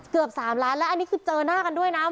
เกือบ๓ล้านแล้วอันนี้คือเจอหน้ากันด้วยนะ